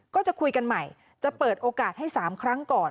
ก็จะคุยกันใหม่จะเปิดโอกาสให้๓ครั้งก่อน